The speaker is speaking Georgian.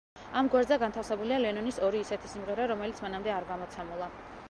ამ გვერდზე განთავსებულია ლენონის ორი ისეთი სიმღერა, რომელიც მანამდე არ გამოცემულა.